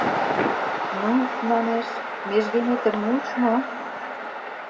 — Ну, манеш, межгеметым муыч мо?